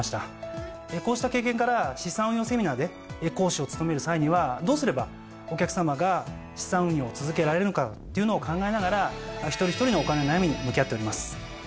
こうした経験から資産運用セミナーで講師を務める際にはどうすればお客さまが資産運用を続けられるのかというのを考えながら一人一人のお金の悩みに向き合っております。